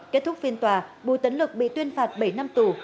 kết thúc phiên tòa bùi tấn lực bị tuyên phạt bảy năm tù